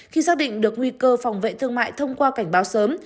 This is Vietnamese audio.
khi xác định được nguy cơ phòng vệ thương mại thông qua cảnh báo sớm